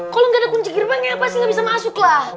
kalau nggak ada kunci gerbangnya pasti nggak bisa masuk lah